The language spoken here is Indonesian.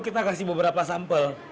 kita memberikan beberapa sampel